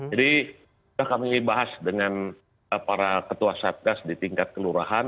jadi kita akan dibahas dengan para ketua satgas di tingkat kelurahan